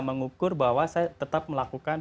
mengukur bahwa saya tetap melakukan